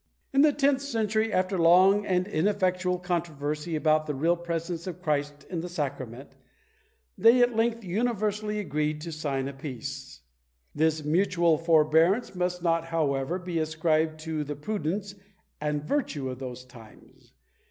In the tenth century, after long and ineffectual controversy about the real presence of Christ in the Sacrament, they at length universally agreed to sign a peace. This mutual forbearance must not, however, be ascribed to the prudence and virtue of those times.